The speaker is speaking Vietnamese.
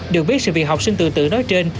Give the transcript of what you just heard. được biết sự việc học sinh tự tử nói trên